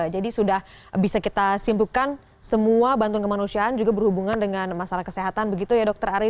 jadi sudah bisa kita simpulkan semua bantuan kemanusiaan juga berhubungan dengan masalah kesehatan begitu ya dokter arief